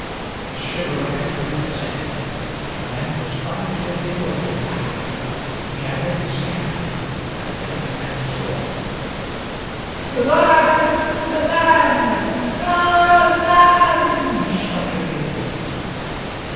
A shiver ran through Kazan. The man was trying to inveigle him back. He had in his hand the thing that killed. "Kazan Kazan Ka a a a zan!" he shouted again.